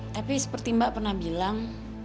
tapi seperti mbak pernah bilang